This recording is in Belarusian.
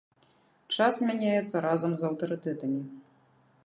Час змяняецца разам з аўтарытэтамі.